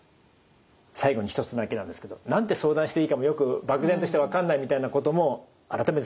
最後に一つだけなんですけど何て相談していいかもよく漠然として分かんないみたいなことも改めてですけど相談して大丈夫ですか？